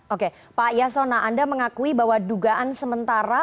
oke pak yasona anda mengakui bahwa dugaan sementara